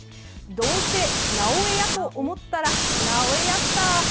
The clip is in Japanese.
どうせ、なおエやと思ったらなおエやった。